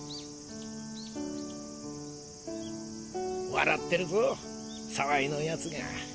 笑ってるぞ澤井の奴が。